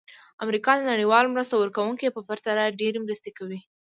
امریکا د نړیوالو مرسته ورکوونکو په پرتله ډېرې مرستې کوي.